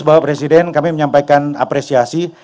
bapak presiden kami menyampaikan apresiasi